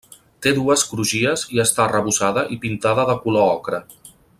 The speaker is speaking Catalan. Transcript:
Té dues crugies i està arrebossada i pintada de color ocre.